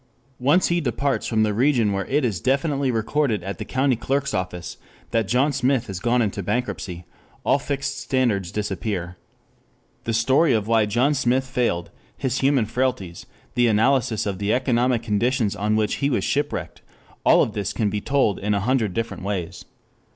Once he departs from the region where it is definitely recorded at the County Clerk's office that John Smith has gone into bankruptcy, all fixed standards disappear. The story of why John Smith failed, his human frailties, the analysis of the economic conditions on which he was shipwrecked, all of this can be told in a hundred different ways.